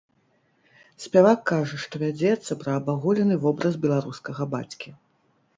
Спявак кажа што вядзецца пра абагулены вобраз беларускага бацькі.